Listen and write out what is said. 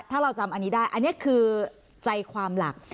ถ้าเราจำอันนี้ได้อันนี้คือใจความหลัก